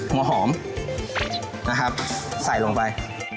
หัวหอมนะครับใส่ลงไป